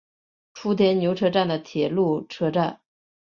初田牛车站的铁路车站。